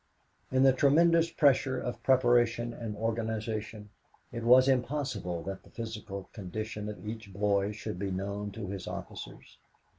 In the tremendous pressure of preparation and organization, it was impossible that the physical condition of each boy should be known to his officers.